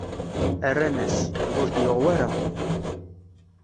Rran-as: Ur t-yuɣ wara!